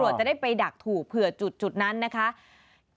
จะได้ไปดักถูกเผื่อจุดนั้นนะคะ